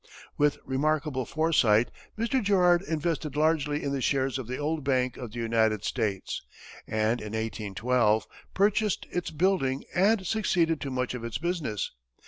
With remarkable foresight, Mr. Girard invested largely in the shares of the old Bank of the United States, and in 1812, purchased its building and succeeded to much of its business.